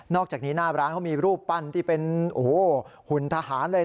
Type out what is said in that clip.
อกจากนี้หน้าร้านเขามีรูปปั้นที่เป็นโอ้โหหุ่นทหารเลย